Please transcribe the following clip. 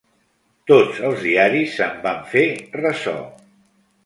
Tots els diaris se'n van fer ressò.